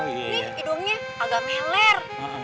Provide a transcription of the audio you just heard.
ini hidungnya agak meler